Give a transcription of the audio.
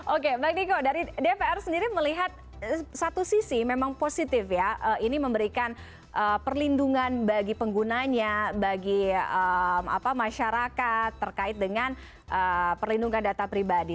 oke bang niko dari dpr sendiri melihat satu sisi memang positif ya ini memberikan perlindungan bagi penggunanya bagi masyarakat terkait dengan perlindungan data pribadi